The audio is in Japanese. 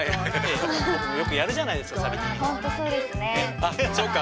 僕もよくやるじゃないですか。